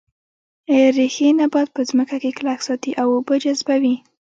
ریښې نبات په ځمکه کې کلک ساتي او اوبه جذبوي